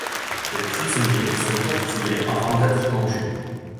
Les prisonniers sont torturés avant d'être mangés.